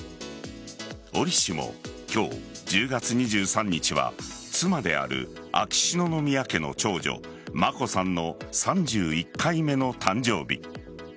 折しも、今日１０月２３日は妻である秋篠宮家の長女・眞子さんの３１回目の誕生日。